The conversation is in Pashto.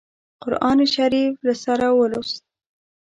قرآن شریف له سره ولووست.